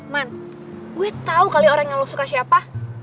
man gue tau kali orang yang lo suka siapa